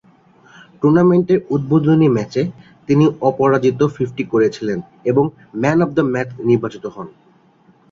টুর্নামেন্টের উদ্বোধনী ম্যাচে তিনি অপরাজিত ফিফটি করেছিলেন এবং ম্যান অফ দ্য ম্যাচ নির্বাচিত হন।